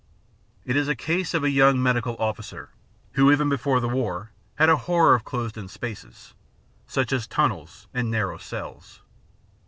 It is the case of a young medical officer, who even before the war had a horror of closed in spaces, such as tunnels and narrow cells.